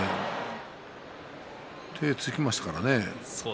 手をつきましたからね。